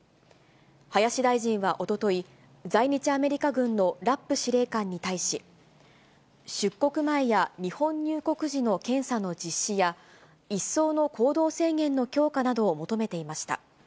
林大臣はおととい、在日アメリカ軍のラップ司令官に対し、出国前や日本入国時の検査の実施や、一層の行動制限の強化などを求めていました。